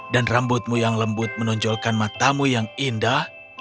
dan rambutmu yang lembut menonjolkan matamu yang indah